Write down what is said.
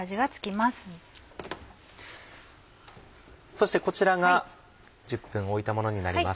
そしてこちらが１０分置いたものになります。